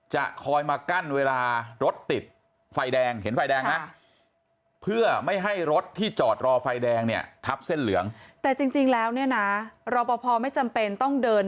จะคอยมากั้นเวลารถติดไฟแดงเห็นไฟแดงฮะเพื่อไม่ให้รถที่จอดรอไฟแดงเนี่ย